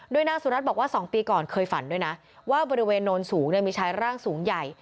ด้วยนางสุรัจบอกว่าสองปีก่อนเคยฝันด้วยนะว่าบริเวณโน้นสูงเนี่ยมีช้าร่างสูงใหญ่